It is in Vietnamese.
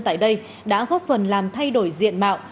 tại đây đã góp phần làm thay đổi diện mạo